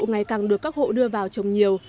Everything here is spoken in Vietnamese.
ngày càng được các hộ đưa vào trồng nhiều